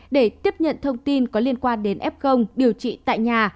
để tiếp nhận thông tin có liên quan đến ép không điều trị tại nhà